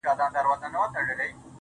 بيا يوازيتوب دی بيا هغه راغلې نه ده.